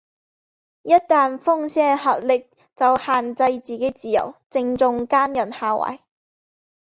一但風聲鶴唳就限制自己自由，正中奸人下懷